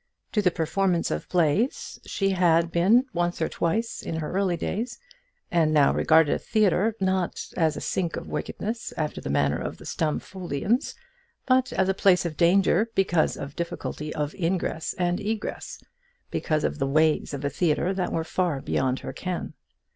To the performance of plays she had been once or twice in her early days, and now regarded a theatre not as a sink of wickedness after the manner of the Stumfoldians, but as a place of danger because of difficulty of ingress and egress, because the ways of a theatre were far beyond her ken.